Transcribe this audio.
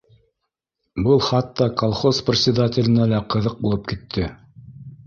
Был хатта колхоз председателенә лә ҡыҙыҡ булып китте